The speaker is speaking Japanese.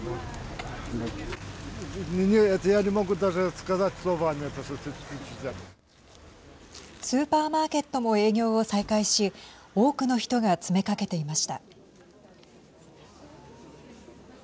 スーパーマーケットも営業を再開し多くの人が詰めかけていました。